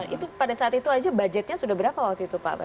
itu pada saat itu aja budgetnya sudah berapa waktu itu pak